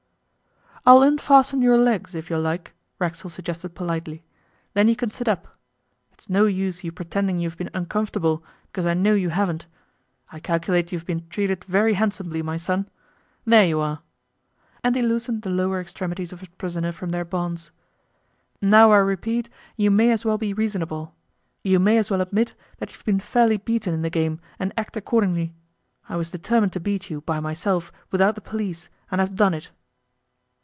'I'll unfasten your legs, if you like,' Racksole suggested politely, 'then you can sit up. It's no use you pretending you've been uncomfortable, because I know you haven't. I calculate you've been treated very handsomely, my son. There you are!' and he loosened the lower extremities of his prisoner from their bonds. 'Now I repeat you may as well be reasonable. You may as well admit that you've been fairly beaten in the game and act accordingly. I was determined to beat you, by myself, without the police, and I've done it.